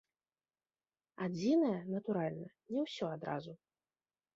Адзінае, натуральна, не ўсё адразу.